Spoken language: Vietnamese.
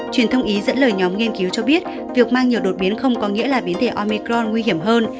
truyền thông ý dẫn lời nhóm nghiên cứu cho biết việc mang nhiều đột biến không có nghĩa là biến thể omicron nguy hiểm hơn